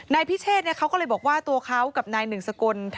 นายพิเชษเขาก็เลยบอกว่าตัวเขากับนายหนึ่งสกล